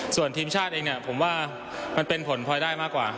ส่วนทีมชาติเองเนี่ยผมว่ามันเป็นผลพลอยได้มากกว่า